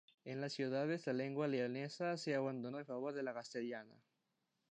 En las ciudades la lengua leonesa se abandonó en favor de la castellana.